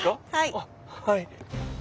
あっはい。